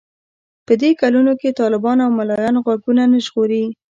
په دې کلونو کې طالبان او ملايان غوږونه نه ژغوري.